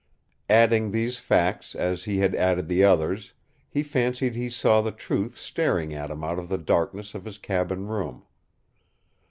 Adding these facts as he had added the others, he fancied he saw the truth staring at him out of the darkness of his cabin room.